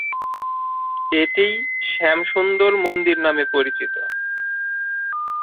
এটিই 'শ্যামসুন্দর মন্দির' নামে পরিচিত।